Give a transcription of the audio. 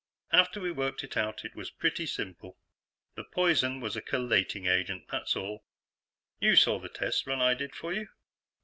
"After we worked it out, it was pretty simple. The 'poison' was a chelating agent, that's all. You saw the test run I did for you."